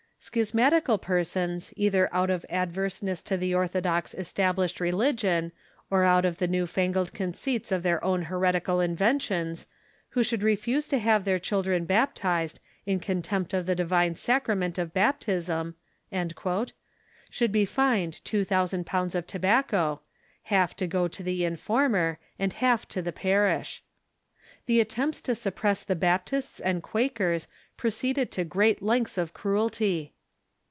Schismatical persons, either out of averse ness to the orthodox established religion, or out of the new fangled conceits of their own heretical inventions, who should refuse to have their children baptized, in contempt of the divine sacrament of baptism," should be fined two thousand pounds of tobacco, half to go to the informer and half to the parish. The attempts to suppress the Baptists and Quakers proceeded to great lengths of cruelty.